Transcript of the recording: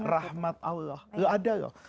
rahmat allah ada loh